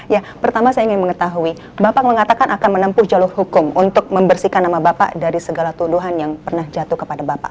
ya pertama saya ingin mengetahui bapak mengatakan akan menempuh jalur hukum untuk membersihkan nama bapak dari segala tuduhan yang pernah jatuh kepada bapak